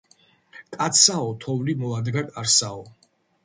კაცსაო თოვლი მოადგა კარსაო